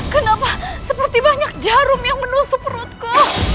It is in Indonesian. kenapa seperti banyak jarum yang menusuk perutku